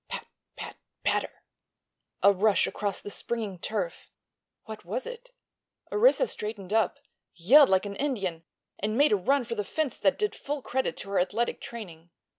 Pat—pat—patter! A rush across the springing turf. What was it? Orissa straightened up, yelled like an Indian and made a run for the fence that did full credit to her athletic training.